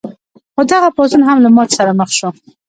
خو دغه پاڅون هم له ماتې سره مخ شو.